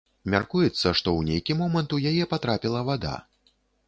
Мяркуецца, што ў нейкі момант у яе патрапіла вада.